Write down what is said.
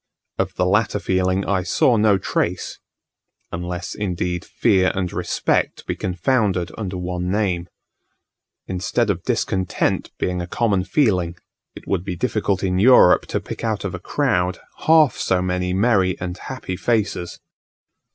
Of the latter feeling I saw no trace, unless, indeed, fear and respect be confounded under one name. Instead of discontent being a common feeling, it would be difficult in Europe to pick out of a crowd half so many merry and happy faces.